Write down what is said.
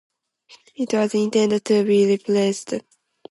It was intended to be re-pressed at some point but wasn't for various reasons.